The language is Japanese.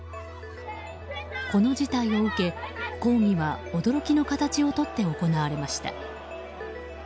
この事態を受け、抗議は驚きの形をとって行われました。